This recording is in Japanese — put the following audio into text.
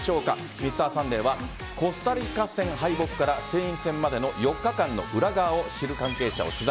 「Ｍｒ．サンデー」はコスタリカ戦敗北からスペイン戦までの４日間の裏側を知る関係者を取材。